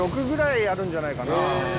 ０．６ぐらいあるんじゃないかな